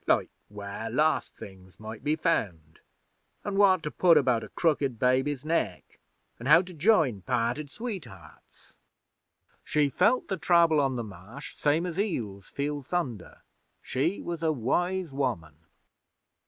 'Like where lost things might be found, an' what to put about a crooked baby's neck, an' how to join parted sweethearts. She felt the Trouble on the Marsh same as eels feel thunder. She was a wise woman.'